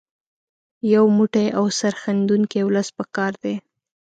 یو موټی او سرښندونکی ولس په کار دی.